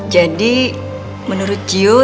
jadi menurut gio